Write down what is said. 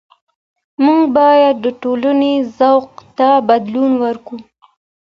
موږ بايد د ټولني ذوق ته بدلون ورکړو.